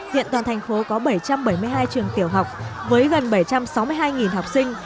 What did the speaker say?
hiện toàn thành phố có bảy trăm bảy mươi hai trường tiểu học với gần bảy trăm sáu mươi hai học sinh